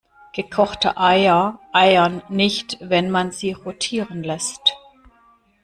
Gekochte Eier eiern nicht, wenn man sie rotieren lässt.